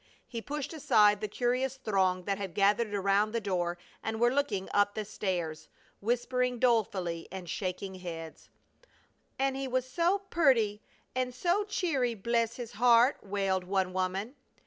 He pushed aside the curious throng that had gathered around the door and were looking up the stairs, whispering dolefully and shaking heads: "An' he was so purty, and so cheery, bless his heart!" wailed one woman.